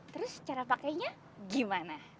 terus cara pakenya gimana